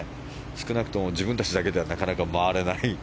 少なくとも自分たちだけではなかなか。